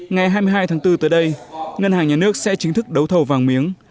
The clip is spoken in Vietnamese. ngày hai mươi hai tháng bốn tới đây ngân hàng nhà nước sẽ chính thức đấu thầu vàng miếng